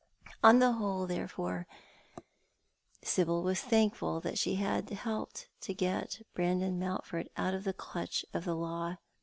On the whole, therefore, Sibyl was thankful that she had helped to get Brandon Mountford out of the clutch of the law.